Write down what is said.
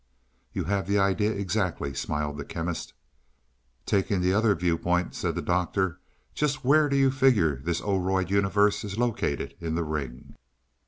"You have the idea exactly," smiled the Chemist. "Taking the other viewpoint," said the Doctor. "Just where do you figure this Oroid universe is located in the ring?"